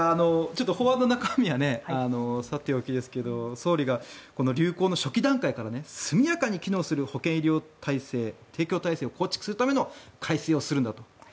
法案の中身はさておき総理がこの流行の初期段階から速やかに機能する保険医療体制を構築するための改正をするんだと。